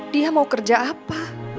dia mau kerja apa